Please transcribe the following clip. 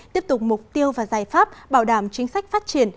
tiếp tục mục tiêu và giải pháp bảo đảm chính sách phát triển